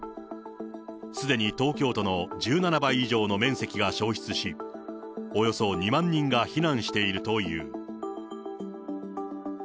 すでに東京都の１７倍以上の面積が焼失し、およそ２万人が避難しているという。